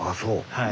はい。